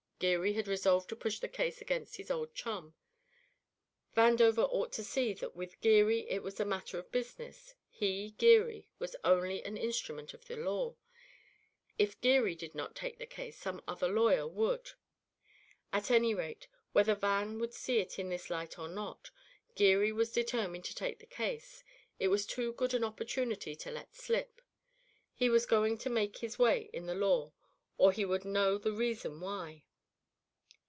Geary had resolved to push the case against his old chum. Vandover ought to see that with Geary it was a matter of business; he, Geary, was only an instrument of the law; if Geary did not take the case some other lawyer would. At any rate, whether Van would see it in this light or not, Geary was determined to take the case; it was too good an opportunity to let slip; he was going to make his way in the law or he would know the reason why.